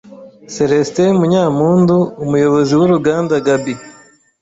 Célestin Munyampundu, umuyobozi w’uruganda Gabi,